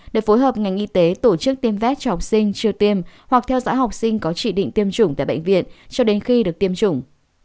để phối hợp ngành y tế tổ chức tiêm vét cho học sinh chưa tiêm hoặc theo dõi học sinh có chỉ định tiêm chủng tại bệnh viện cho đến khi được tiêm chủng